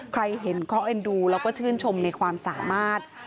ใครเห็นก็เอ็นดูแล้วก็ชื่นชมในความสามารถ